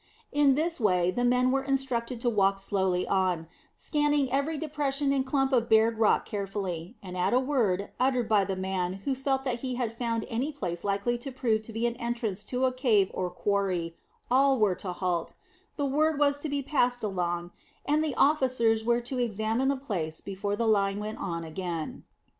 In this way the men were instructed to walk slowly on, scanning every depression and clump of bared stone carefully, and at a word uttered by the man who felt that he had found any place likely to prove to be an entrance to a cave or quarry, all were to halt, the word was to be passed along, and the officers were to examine the place before the line went on again.